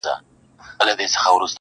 بلکې نور ژوي او ځینې مرغان هم